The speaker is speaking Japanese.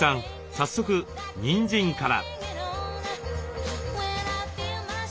早速ニンジンから。